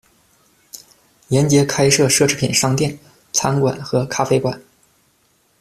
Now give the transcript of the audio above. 沿街开设奢侈品商店、餐馆和咖啡馆。